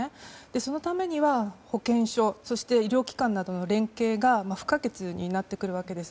そのためには保健所、医療機関などの連携が不可欠になってくるわけです。